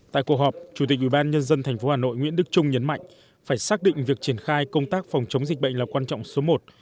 tại cuộc họp chủ tịch ubnd tp hà nội nguyễn đức trung nhấn mạnh phải xác định việc triển khai công tác phòng chống dịch bệnh là quan trọng số một